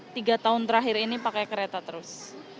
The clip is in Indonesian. tiga tahun terakhir ini pakai kereta terus